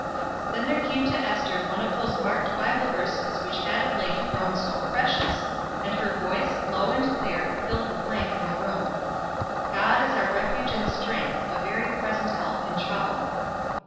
Then there came to Ester one of those marked Bible verses which had of late grown so precious, and her voice, low and clear, filled the blank in the room. "God is our refuge and strength, a very present help in trouble."